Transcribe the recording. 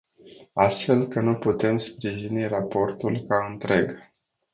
Astfel că nu putem sprijini raportul ca întreg.